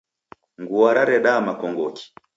Ngua raredaa makongoki?